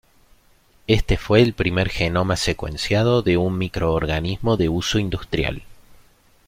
Este fue el primer genoma secuenciado de un microorganismo de uso industrial.